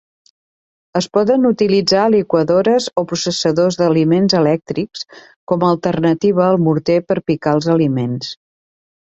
Es poden utilitzar liquadores o processadors d'aliments elèctrics com a alternativa al morter per picar els aliments.